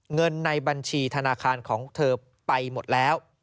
เงินในบัญชีธนาคารของเธอไปหมดแล้ว